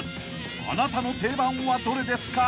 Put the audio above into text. ［あなたの定番はどれですか？］